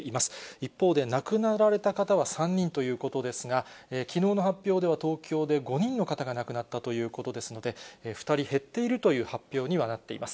一方で亡くなられた方は３人ということですが、きのうの発表では、東京で５人の方が亡くなったということですので、２人減っているという発表にはなっています。